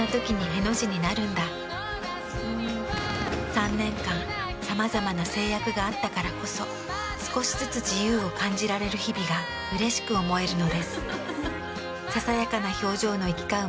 ３年間さまざまな制約があったからこそ少しずつ自由を感じられる日々がうれしく思えるのです。